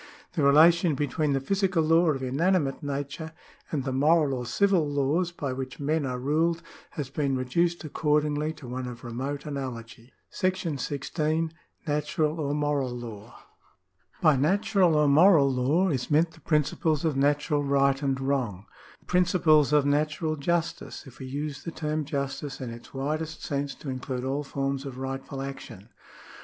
The relation between the physical law of inanimate nature and the moral or civil laws by which men are ruled has been reduced accordingly to one of remote analogy. § 16. Natural or Moral Law. By natural or moral law is meant the principles of natural right and wrong — the principles of natural justice, if we use the term justice in its widest sense to include all forms of rightful action.